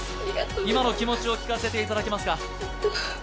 今の気持ちを聞かせていただけますか？